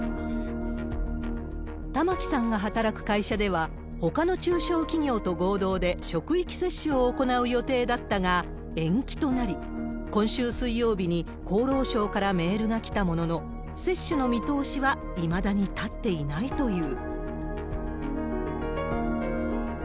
玉置さんが働く会社では、ほかの中小企業と合同で職域接種を行う予定だったが、延期となり、今週水曜日に厚労省からメールが来たものの、接種の見通しはいまだに立っていないという。